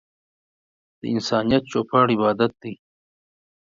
د انسانيت چوپړ عبادت دی.